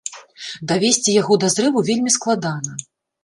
Давесці яго да зрыву вельмі складана.